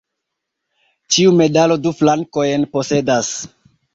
Ĉiu medalo du flankojn posedas.